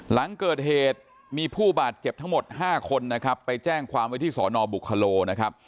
หลังเกิดเหตุมีผู้บาดเจ็บทั้งหมด๕คนนะครับไปแจ้งความไว้ที่สอนอบุคโลนะครับ